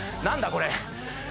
これ。